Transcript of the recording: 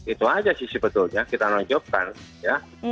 itu aja sih sebetulnya kita nonjokkan ya